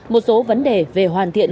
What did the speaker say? một số vấn đề về hoàn thiện